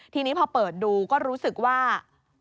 ทีนี้พอเปิดดูก็รู้สึกว่า